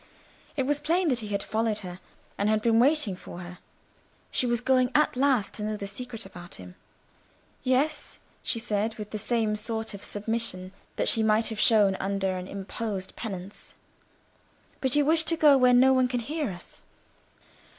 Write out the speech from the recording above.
It was plain that he had followed her, and had been waiting for her. She was going at last to know the secret about him. "Yes," she said, with the same sort of submission that she might have shown under an imposed penance. "But you wish to go where no one can hear us?"